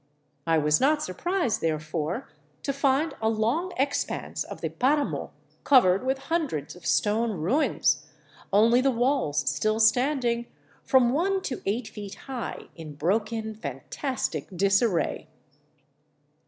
I was not surprised, therefore, to find a long expanse of the paramo covered with hundreds of stone ruins, only the walls still standing, from one to eight feet high, in broken, fantastic disarray.